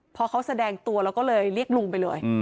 พอเขาแสดงตัวเราก็เลยเรียกลุงไปเลย